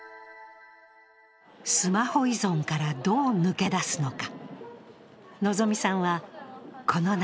スマホ依存からどう抜け出すのか。